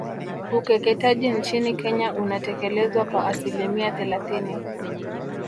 Ukeketaji nchini Kenya unatekelezwa kwa asilimia thelathini